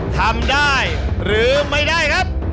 ทำได้หรือไม่ได้ครับ